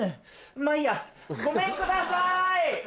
まぁいいやごめんください。